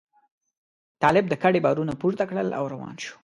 طالب د کډې بارونه پورته کړل او روان شو.